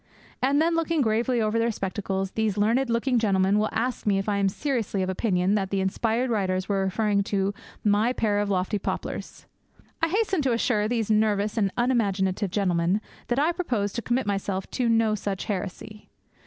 And then, looking gravely over their spectacles, these learned looking gentlemen will ask me if I am seriously of opinion that the inspired writers were referring to my pair of lofty poplars. I hasten to assure these nervous and unimaginative gentlemen that I propose to commit myself to no such heresy.